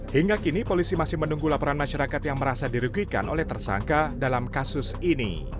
hingga kini polisi masih menunggu laporan masyarakat yang merasa dirugikan oleh tersangka dalam kasus ini